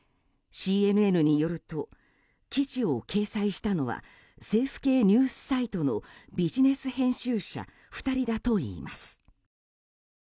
ＣＮＮによると記事を掲載したのは政府系ニュースサイトのビジネス編集者２人だといいます。